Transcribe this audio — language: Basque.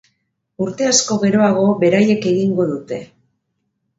Urte asko geroago, beraiek egingo dute.